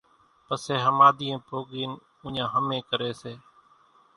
پسي ۿماۮيئين پوڳين اُوڃان ۿمي ڪري سي